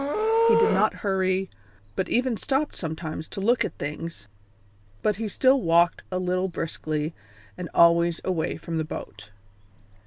He did not hurry, but even stopped sometimes to look at things, but he still walked a little briskly, and always away from the boat.